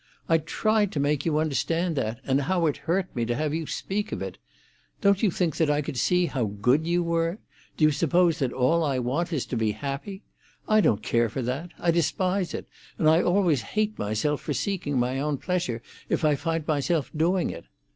I tried to make you understand that, and how it hurt me to have you speak of it. Don't you think that I could see how good you were? Do you suppose that all I want is to be happy? I don't care for that—I despise it, and I always hate myself for seeking my own pleasure, if I find myself doing it.